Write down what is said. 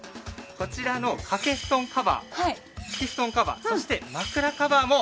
こちらの掛け布団カバー敷き布団カバーそして枕カバーも。